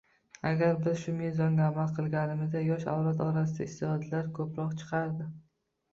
Agar biz shu mezonga amal qilganimizda yosh avlod orasidan isteʼdodlar ko‘proq chiqardi.